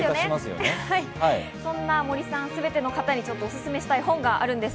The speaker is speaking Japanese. そんな全ての方におすすめしたい本があるんです。